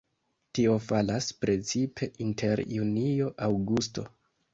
Tio falas precipe inter junio-aŭgusto.